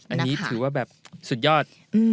อันนี้ถือว่าแบบสุดยอด